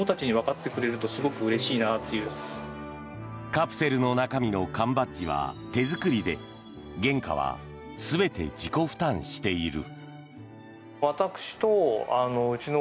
カプセルの中身の缶バッジは手作りで原価は全て自己負担している。